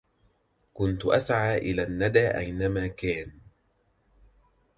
كنت أسعى إلى الندى أينما كان